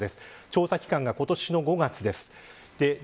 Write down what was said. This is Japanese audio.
調査期間は今年の５月です。